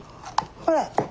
ほら。